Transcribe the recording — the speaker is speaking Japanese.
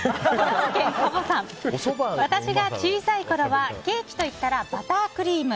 私が小さいころはケーキと言ったらバタークリーム。